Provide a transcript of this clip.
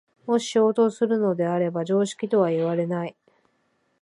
もし衝突するものであれば常識とはいわれない。